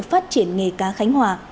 phát triển nghề cá khánh hòa